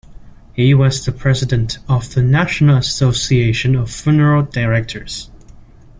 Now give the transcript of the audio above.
He was president of the National Association of Funeral Directors.